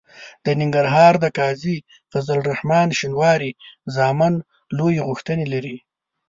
د ننګرهار د قاضي فضل الرحمن شینواري زامن لویې غوښتنې لري.